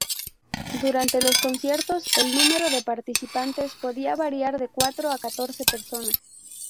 Durante los conciertos el número de participantes podía variar de cuatro a catorce personas.